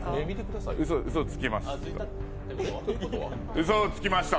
うそ、つきました。